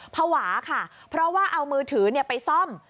ภาวะค่ะเพราะว่าเอามือถือไปซ่อม